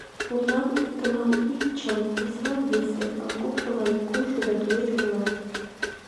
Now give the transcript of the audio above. Мутлан, иктылан — ик чын, весылан — весе, а кумшылан — кумшо да тулеч молат...